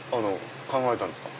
考えたんですか。